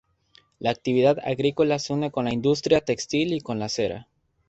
La actividad agrícola se une con la industria textil y con la cera.